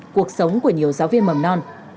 cuộc sống của nhiều giáo viên mầm non